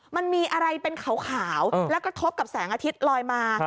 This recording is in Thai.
มันมีอะไรเป็นขาวแล้วก็ทบกับแสงอาทิตย์ลอยมา